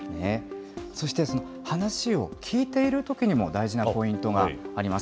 そして話を聞いているときにも、大事なポイントがあります。